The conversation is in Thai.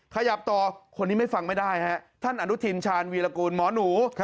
ไปอย่างต่อคุณไม่ฟังไม่ได้ท่านอนุธิชาณวีรกูลหมอนรู